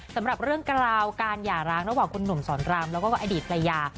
สำหรับเรื่องกล่าวการหย่าร้างระหว่างคุณหนุ่มสอนรามแล้วก็อดีตภรรยา